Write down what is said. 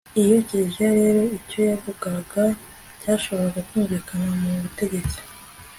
iyo kiliziya rero icyo yavugaga cyashoboraga kumvikana mu butegetsi